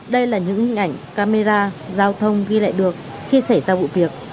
đây là những hình ảnh camera giao thông ghi lại được khi xảy ra vụ việc